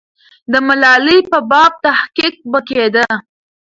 د ملالۍ په باب تحقیق به کېده.